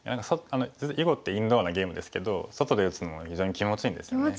囲碁ってインドアなゲームですけど外で打つのも非常に気持ちいいんですよね。